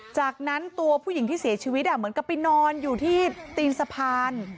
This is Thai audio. จากนั้นตัวผู้หญิงที่เสียชีวิตเหมือนกับไปนอนอยู่ที่ตีนสะพาน